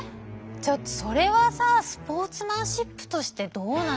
ちょっとそれはさスポーツマンシップとしてどうなんですか？